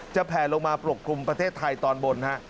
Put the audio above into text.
แผลลงมาปกคลุมประเทศไทยตอนบนฮะ